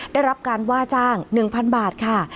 ได้รับการว่าจ้าง๑๐๐๐บาทค่ะ